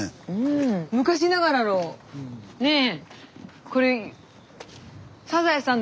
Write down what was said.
昔ながらのねえ？